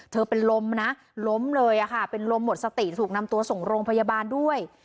เป็นลมนะล้มเลยค่ะเป็นลมหมดสติถูกนำตัวส่งโรงพยาบาลด้วย